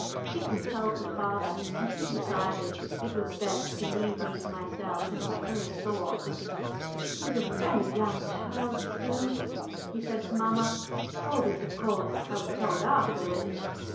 She consulted father, and he decided that it was best to leave me to myself and my own thoughts. "She is a very young child still," he said to mamma. (All this of course I was told afterwards.)